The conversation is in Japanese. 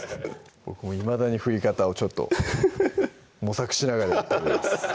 僕もいまだに振り方をちょっと模索しながらやっております